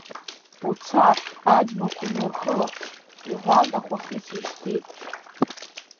Уца, аџьмақәа унархылаԥш, – иҳәан, ахәахьы сишьҭит.